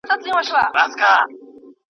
موږ کتابتون څېړنه کوو.